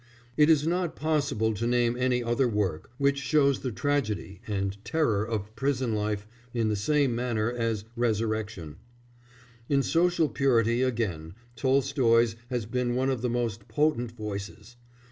It is not possible to name any other work which shows the tragedy and terror of prison life in the same manner as Resurrection. In social purity, again, Tolstoy's has been one of the most potent voices.